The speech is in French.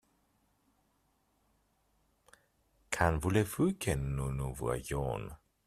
Quand voulez-vous que nous nous voyions.